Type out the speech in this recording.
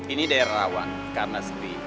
ini daerah rawan karena sepi